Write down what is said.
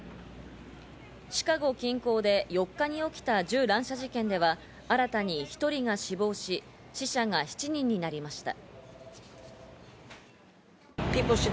シカゴ近郊で４日に起きた銃乱射事件では新たに１人が死亡し、死者が７人になりました。